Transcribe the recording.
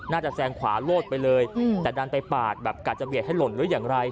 แซงขวาโลดไปเลยแต่ดันไปปาดแบบกะจะเบียดให้หล่นหรืออย่างไร